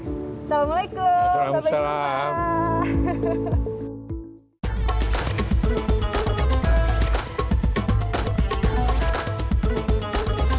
assalamualaikum sampai jumpa